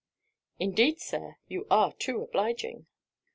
'Indeed, Sir, you are too obliging.'